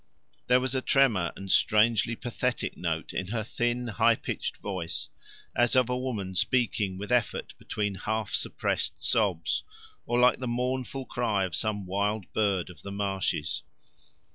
There was a tremor and strangely pathetic note in her thin high pitched voice, as of a woman speaking with effort between half suppressed sobs, or like the mournful cry of some wild bird of the marshes.